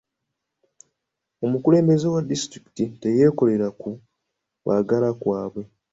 Omukulembeze wa disitulikiti teyakolera ku kwagala kwabwe.